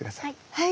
はい。